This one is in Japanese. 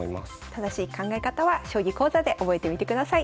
正しい考え方は将棋講座で覚えてみてください。